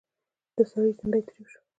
د سړي تندی تريو شو: